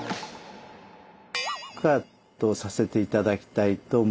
「不可」とさせて頂きたいと思います。